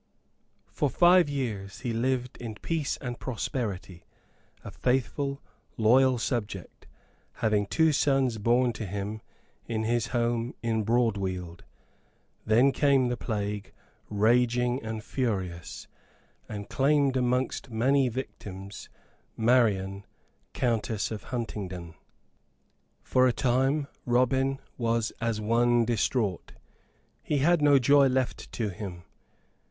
For five years he lived in peace and prosperity, a faithful, loyal subject, having two sons born to him in his home in Broadweald. Then came the plague, raging and furious, and claimed amongst many victims Marian Countess of Huntingdon. For a time Robin was as one distraught. He had no joy left to him.